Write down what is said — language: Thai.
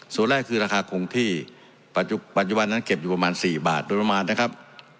ส่วนแรกคือราคาคงที่ปัจจุบันนั้นเก็บอยู่ประมาณ๔บาทโดยประมาณนะครับ